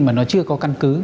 mà nó chưa có căn cứ